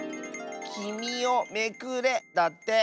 「きみをめくれ」だって。